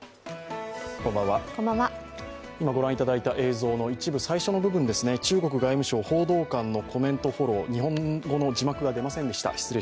今ご覧いただいた一部最初の部分ですね中国外務省、報道官のコメントフォロー、日本語の字幕が出ませんでした。